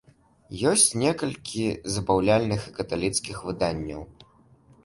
Ёсць некалькі забаўляльных і каталіцкіх выданняў.